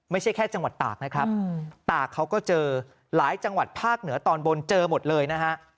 ไม่ใช่แค่จังหวัดตากนะครับตากเขาก็เจอหลายจังหวัดภาคเหนือตอนบนเจอหมดเลยนะฮะ